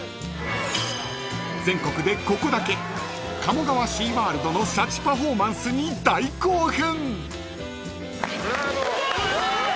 ［全国でここだけ鴨川シーワールドのシャチパフォーマンスに大興奮］